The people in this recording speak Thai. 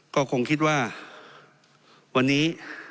ก็คงคิดว่าวันนี้